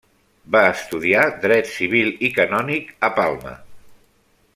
Va estudiar dret civil i canònic a Palma.